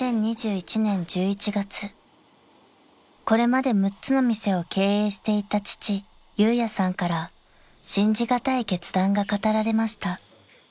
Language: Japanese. ［これまで６つの店を経営していた父裕也さんから信じ難い決断が語られました］